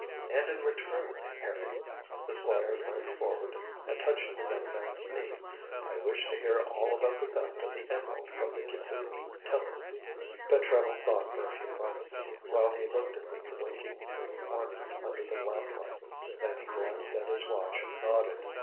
And in return, Harry," the Squire leaned forward and touched the young man's knee, "I wish to hear all about the theft of the emerald from the Kitzuki Temple." Pentreddle thought for a few moments, while he looked at the winking green ornament under the lamplight. Then he glanced at his watch and nodded.